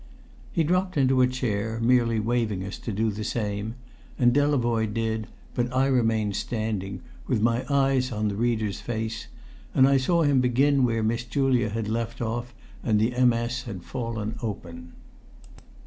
He dropped into a chair, merely waving to us to do the same; and Delavoye did; but I remained standing, with my eyes on the reader's face, and I saw him begin where Miss Julia had left off and the MS. had fallen open.